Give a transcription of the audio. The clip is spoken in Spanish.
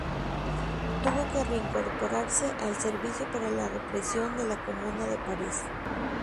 Tuvo que reincorporarse al servicio para la represión de la Comuna de París.